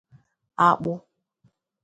Akpụ